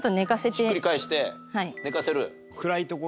ひっくり返して寝かせる？